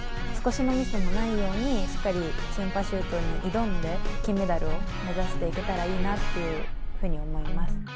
少しのミスもないようにしっかりチームパシュートに挑んで金メダルを目指していけたらいいなというふうに思います。